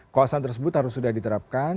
kawasan tersebut harus sudah diterapkan